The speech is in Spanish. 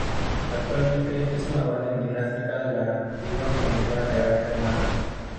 Actualmente es una orden dinástica de la antigua familia real rumana.